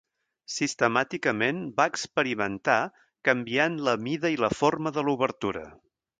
Sistemàticament va experimentar canviant la mida i la forma de l'obertura.